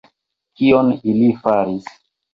Kion ili faris?